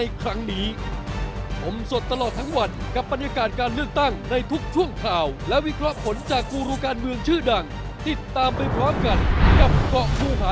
บางทีพฤติการพฤติกรรมตัวเองเนี่ยอาจจะหลงลืมไปบ้างเพราะทำ